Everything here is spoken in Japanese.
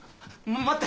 待って！